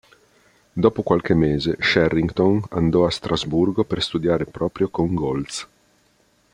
Dopo qualche mese Sherrington andò a Strasburgo per studiare proprio con Goltz.